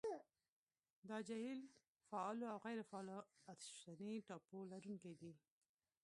دا جهیل فعالو او غیرو فعالو اتشفشاني ټاپو لرونکي دي.